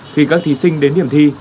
khi các thí sinh đến điểm thi